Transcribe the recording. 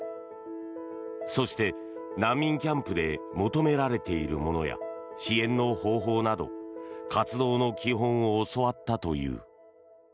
そして難民キャンプで求められているものや支援の方法など活動の基本を教わったという。